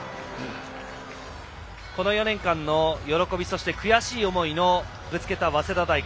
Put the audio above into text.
この４年間の喜び悔しい思いをぶつけた早稲田大学。